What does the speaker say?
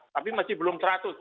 tapi masih belum seratus